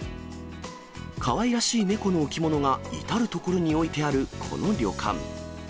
かわいらしい猫の置物が至る所に置いてあるこの旅館。